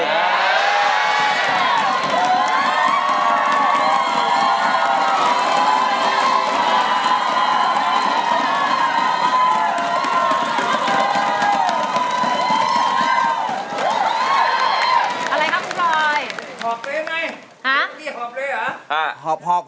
อะไรครับคุณกรอย